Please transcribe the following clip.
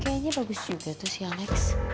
kayaknya bagus juga tuh si alex